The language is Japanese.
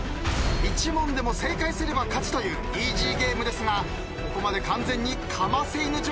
１問でも正解すれば勝ちというイージーゲームですがここまで完全にかませ犬状態の尾形。